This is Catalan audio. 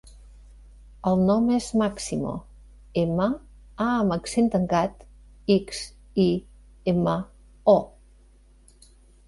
El nom és Máximo: ema, a amb accent tancat, ics, i, ema, o.